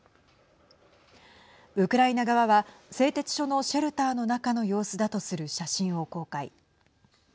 ウクライナ側は製鉄所のシェルターの中の様子だとする写真を公開。